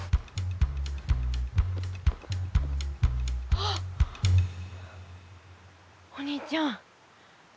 あ！お兄ちゃん。